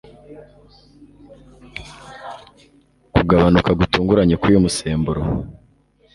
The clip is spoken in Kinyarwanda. kugabanuka gutunguranye k'uyu musemburo